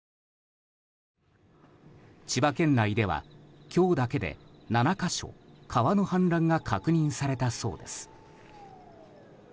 千葉県内では今日だけで７か所川の氾濫が確認されたそうです。